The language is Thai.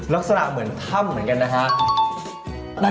ลักษณะเหมือนถ้ำเหมือนกันนะฮะ